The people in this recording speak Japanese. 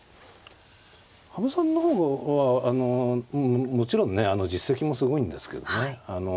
羽生さんの方はもちろんね実績もすごいんですけどね